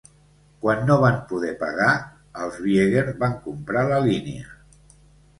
Quan no van poder pagar, els Biegert van comprar la línia.